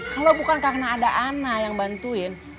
kalau bukan karena ada ana yang bantuin